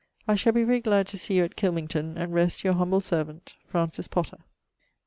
I shalbe very glad to see you here at Kilmington; and rest, Your humble servant FRANCIS POTTER. _Note.